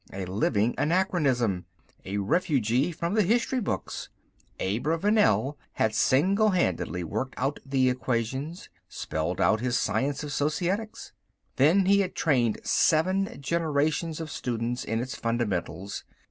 A living anachronism, a refugee from the history books. Abravanel had singlehandedly worked out the equations, spelled out his science of Societics. Then he had trained seven generations of students in its fundamentals.